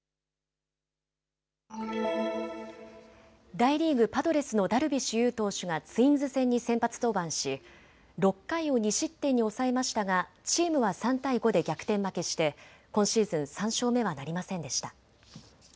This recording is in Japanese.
大リーグ、パドレスのダルビッシュ有投手がツインズ戦に先発登板し６回を２失点に抑えましたがチームは３対５で逆転負けして今シーズン３勝目はなりませんでした。